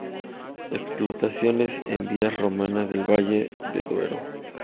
Exploraciones en vías romanas del valle del Duero.